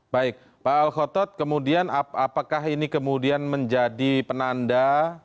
baik pak alkhotot kemudian apakah ini kemudian menjadi penanda